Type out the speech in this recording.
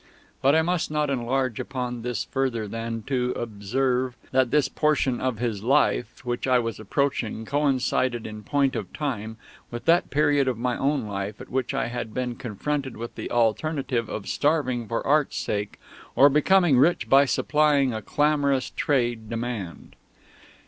But I must not enlarge upon this further than to observe that this portion of his "Life" which I was approaching coincided in point of time with that period of my own life at which I had been confronted with the alternative of starving for Art's sake or becoming rich by supplying a clamorous trade demand.